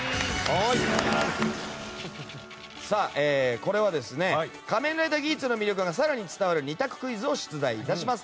これは「仮面ライダーギーツ」の魅力が更に伝わる２択クイズを出題いたします。